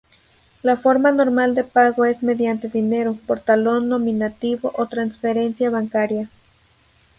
La forma normal de pago es mediante dinero, por talón nominativo o transferencia bancaria.